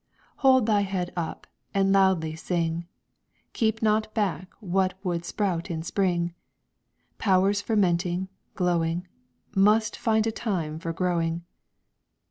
"Hold thy head up, and loudly sing! Keep not back what would sprout in spring; Powers fermenting, glowing, Must find a time for growing.